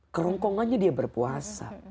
kerongkongannya dia berpuasa